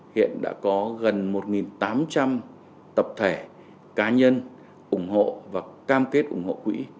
hiện đã có gần một tám trăm linh tập thể cá nhân ủng hộ và cam kết ủng hộ quỹ